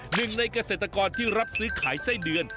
หนึ่งในเกษตรกรที่รับซื้อขายไส้เดือน